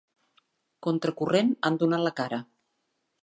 Contra corrent, han donat la cara.